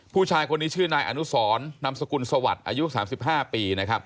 ผู้ชายคนนี้ชื่อนายอนุสรนำสกุลสวัสดิ์อายุ๓๕ปีนะครับ